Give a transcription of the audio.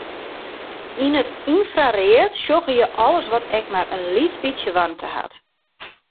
Yn it ynfraread sjogge je alles wat ek mar in lyts bytsje waarmte hat.